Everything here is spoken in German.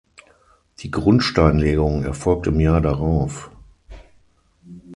Die Grundsteinlegung erfolgt im Jahr darauf.